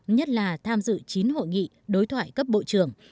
nhất là tham dự chín hội nghị đối thoại cấp bộ trưởng